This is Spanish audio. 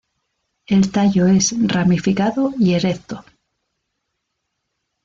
El tallo es ramificado y erecto.